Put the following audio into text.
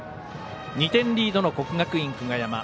２点リードの国学院久我山。